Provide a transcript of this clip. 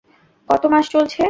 কত মাস চলছে?